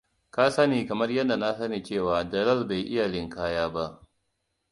Ka sani kamar yadda na sani cewa Jalal bai iya linkaya ba.